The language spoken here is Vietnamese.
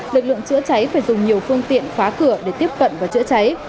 lực lượng chữa cháy phải dùng nhiều phương tiện phá cửa để tiếp cận và chữa cháy